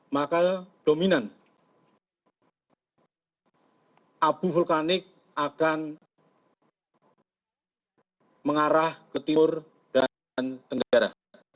maka dominan abu vulkanik akan mengarah ke timur dan tenggara